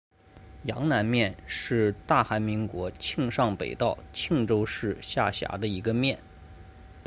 阳南面是大韩民国庆尚北道庆州市下辖的一个面。